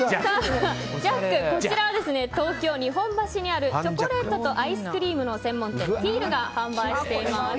こちらは東京・日本橋にあるチョコレートとアイスクリームの専門店、ｔｅａｌが販売しています。